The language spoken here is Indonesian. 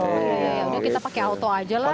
oke udah kita pakai auto aja lah